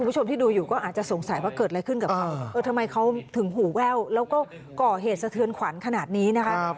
คุณผู้ชมที่ดูอยู่ก็อาจจะสงสัยว่าเกิดอะไรขึ้นกับเขาเออทำไมเขาถึงหูแว่วแล้วก็ก่อเหตุสะเทือนขวัญขนาดนี้นะคะ